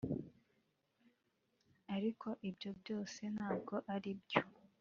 ariko ibyo byose ntabwo aribyo